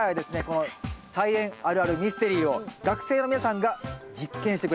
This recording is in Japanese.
この菜園あるあるミステリーを学生の皆さんが実験してくれました。